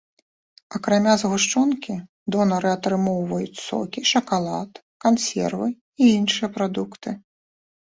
Акрамя згушчонкі донары атрымоўваюць сокі, шакалад, кансервы і іншыя прадукты.